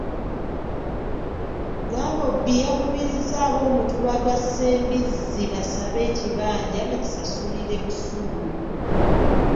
Gambobbi yakubirizza ab'omutuba gwa Ssembizzi basabe ekibanja bakisasulire busuulu.